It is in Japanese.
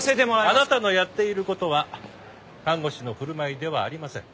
あなたのやっている事は看護師の振る舞いではありません。